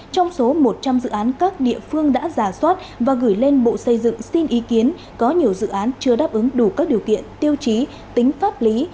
trong số một trăm linh dự án các địa phương đã giả soát và gửi lên bộ xây dựng xin ý kiến có nhiều dự án chưa đáp ứng đủ các điều kiện tiêu chí tính pháp lý